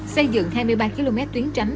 xây dựng hai mươi ba km tuyến tránh